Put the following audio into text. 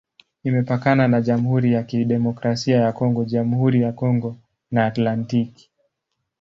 Imepakana na Jamhuri ya Kidemokrasia ya Kongo, Jamhuri ya Kongo na Atlantiki.